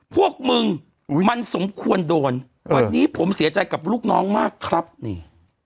พวกมึงมันสมควรโดนวันนี้ผมเสียใจกับลูกน้องมากครับนี่